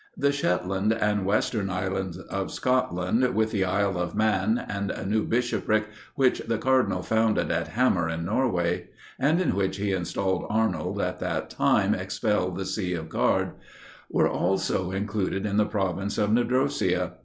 The Shetland and western isles of Scotland, with the Isle of Man, and a new bishopric which the cardinal founded at Hammer in Norway, and in which he installed Arnold, at that time expelled the see of Gaard, were also included in the province of Nidrosia.